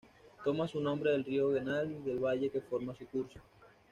Toma su nombre del río Genal y del valle que forma su curso.